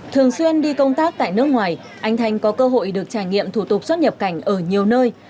thường xuyên đi công tác tại nước ngoài anh thanh có cơ hội được trải nghiệm thủ tục xuất nhập cảnh ở nhiều nơi